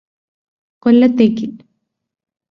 കൊല്ലത്തേക്ക്